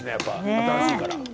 新しいから。